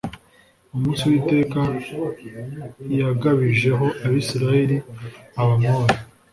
Umunsi Uwiteka yagabijeho Abisirayeli Abamori